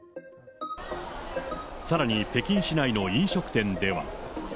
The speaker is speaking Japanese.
さらに北京市内の飲食店では。